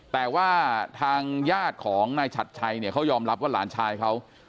แต่ว่าทางญาติของนายฉัดชัยเนี่ยเขายอมรับว่าหลานชายเขา